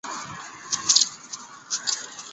雷格罗日。